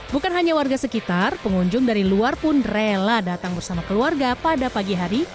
bukan hanya warga sekitar pengunjung dari luar pun rela datang bersama keluarga pada pagi hari